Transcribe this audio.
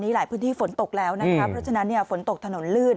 ส์นี้หลายพื้นที่ฝนตกแล้วนะครับเท่านั้นเนี่ยฝนตกถนนลื่น